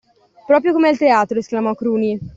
“Proprio come al teatro,” esclamò Cruni.